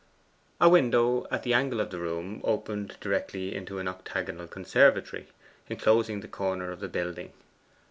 A window at the angle of the room opened directly into an octagonal conservatory, enclosing the corner of the building.